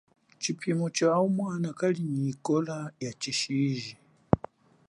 Tshiphimo tshawumwana kali nyi ikola ya tshishiji.